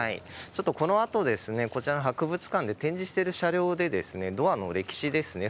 ちょっとこのあとこちらの博物館で展示している車両でドアの歴史ですね